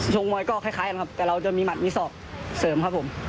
มวยก็คล้ายกันครับแต่เราจะมีหัดมีศอกเสริมครับผม